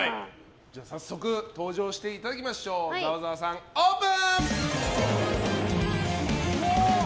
早速登場していただきましょうざわざわさん、オープン！